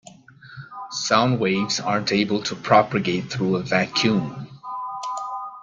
Sound waves aren't able to propagate through a vacuum.